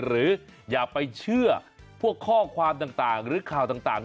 อย่าไปเชื่อพวกข้อความต่างหรือข่าวต่าง